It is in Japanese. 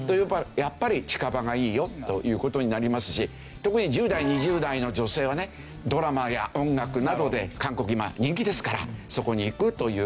やっぱり近場がいいよという事になりますし特に１０代２０代の女性はねドラマや音楽などで韓国今人気ですからそこに行くという事。